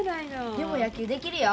でも野球できるよ。